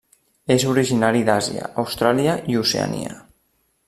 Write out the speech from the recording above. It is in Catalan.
És originari d'Àsia, Austràlia i Oceania.